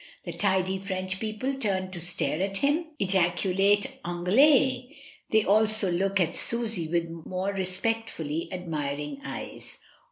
The tidy French people turn to stare at him, ejaculate "Anglais!" They also look at Susy with more respectfully admiring eyes.